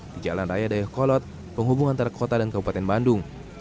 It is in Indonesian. di jalan raya dayakolot penghubung antara kota dan kabupaten bandung